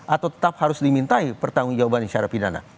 atau tetap harus dimintai pertanggung jawaban secara pidana